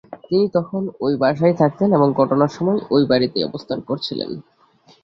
তিনি তখন ওই বাসায়ই থাকতেন এবং ঘটনার সময় ওই বাড়িতেই অবস্থান করছিলেন।